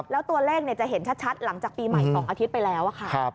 แล้วตัวเลขจะเห็นชัดหลังจากปีใหม่๒อาทิตย์ไปแล้วค่ะ